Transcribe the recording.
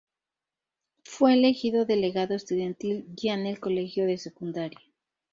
Fue elegido delegado estudiantil ya en el colegio de secundaria.